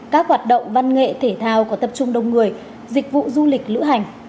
các hoạt động văn nghệ thể thao có tập trung đông người dịch vụ du lịch lữ hành